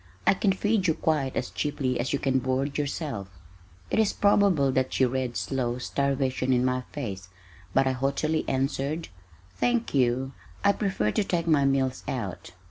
I can feed you quite as cheaply as you can board yourself." It is probable that she read slow starvation in my face, but I haughtily answered, "Thank you, I prefer to take my meals out."